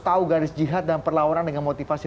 tahu garis jihad dan perlawanan dengan motivasi